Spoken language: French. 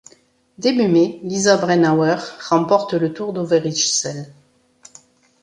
Début mai, Lisa Brennauer remporte le Tour d'Overijssel.